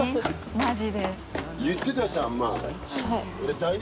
「マジで」